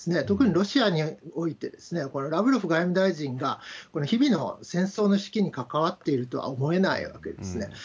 特にロシアにおいて、これ、ラブロフ外務大臣が日々の戦争の指揮に関わっているとは思えないわけですね。